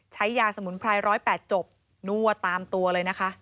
ใช้ยาสมุนไพร๑๐๘จบนั่วตามตัวเลยนะคะ